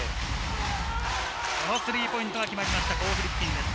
このスリーポイントは決まりました、コー・フリッピンです。